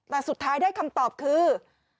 แต่สุดท้ายได้คำตอบคือ